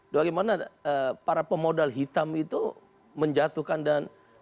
bagaimana para pemodal hitam itu menjatuhkan dan